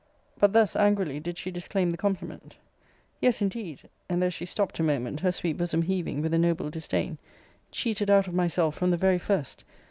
But thus, angrily, did she disclaim the compliment. Yes, indeed! [and there she stopt a moment, her sweet bosom heaving with a noble disdain] cheated out of myself from the very first!